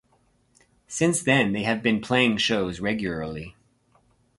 Since then they have been playing shows regularly.